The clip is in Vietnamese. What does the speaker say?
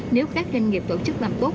nếu các doanh nghiệp tổ chức làm tốt